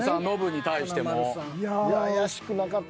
怪しくなかった。